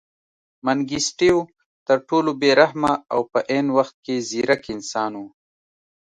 منګیسټیو تر ټولو بې رحمه او په عین وخت کې ځیرک انسان و.